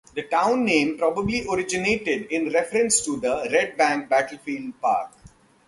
The town name probably originated in reference to the Red Bank Battlefield Park.